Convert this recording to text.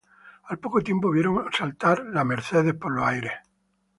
Al poco tiempo vieron saltar la "Mercedes" por los aires.